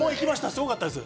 すごかったです。